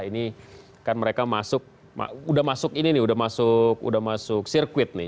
ini kan mereka masuk udah masuk ini nih udah masuk udah masuk sirkuit nih